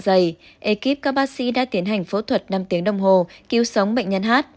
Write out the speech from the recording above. vì vậy ekip các bác sĩ đã tiến hành phẫu thuật năm tiếng đồng hồ cứu sống bệnh nhân h